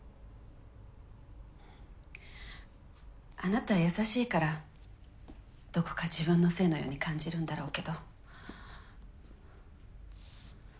あなた優しいからどこか自分のせいのように感じるんだろうけど。